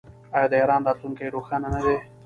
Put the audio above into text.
آیا د ایران راتلونکی روښانه نه دی؟